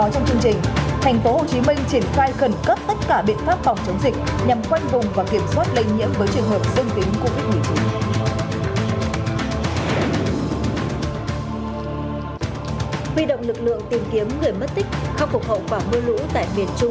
hãy đăng ký kênh để ủng hộ kênh của chúng mình nhé